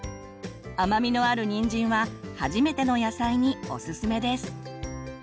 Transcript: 甘みのあるにんじんは初めての野菜におすすめです。